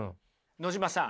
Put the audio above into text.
野島さん